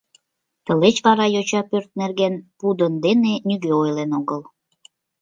Тылеч вара йоча пӧрт нерген пудын дене нигӧ ойлен огыл...